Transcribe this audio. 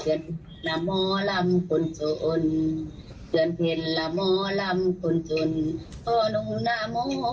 เพื่อนน้ำลำคนสุนเพื่อนเพลินน้ำลำคนสุนตัวหนูน้ำ